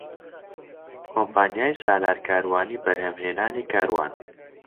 کۆمپانیای سالار کاروانی بەرهەمهێنانی کاروان